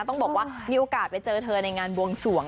ต้องบอกว่ามีโอกาสไปเจอเธอในงานบวงสวง